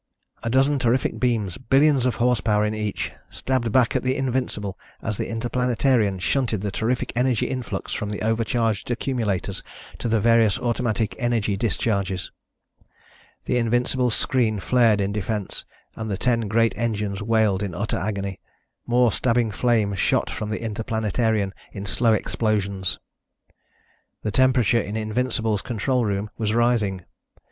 A dozen terrific beams, billions of horsepower in each, stabbed back at the Invincible as the Interplanetarian shunted the terrific energy influx from the overcharged accumulators to the various automatic energy discharges. The Invincible's screen flared in defense and the ten great engines wailed in utter agony. More stabbing flame shot from the Interplanetarian in slow explosions. The temperature in the Invincible's control room was rising.